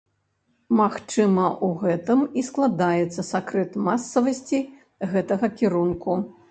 Магчыма, у гэтым і складаецца сакрэт масавасці гэтага кірунку?